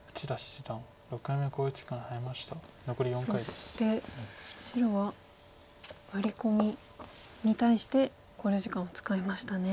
そして白はワリコミに対して考慮時間を使いましたね。